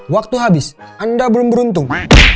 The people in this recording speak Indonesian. waktu habis anda belum beruntung